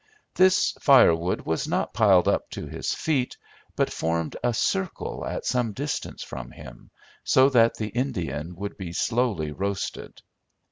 This firewood, was not piled up to his feet, but formed a circle at some distance from him, so that the Indian would be slowly roasted.